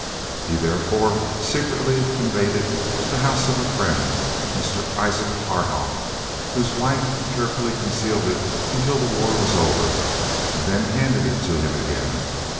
He therefore secretly conveyed it to the house of a friend, Mr. Isaac Haarhoff, whose wife carefully concealed it until the war was over, and then handed it to him again.